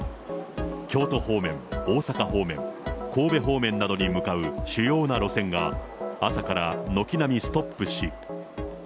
京都方面、大阪方面、神戸方面などに向かう主要な路線が朝から軒並みストップし。